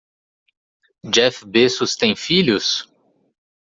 Jeff Bezos tem filhos?